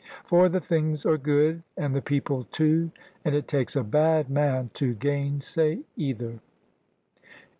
For the things are good, and the people too; and it takes a bad man to gainsay either.